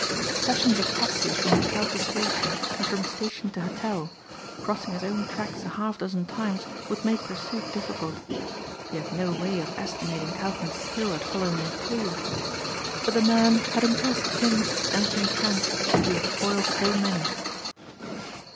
Successions of taxis from hotel to station, and from station to hotel, crossing his own tracks a half dozen times would make pursuit difficult. He had no way of estimating Kaufmann's skill at following a clue. But the man had impressed him, Anthony Trent, who had foiled so many.